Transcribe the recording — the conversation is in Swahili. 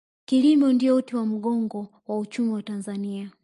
kilimo ndiyo uti wa mgongo wa uchumi wa tanzania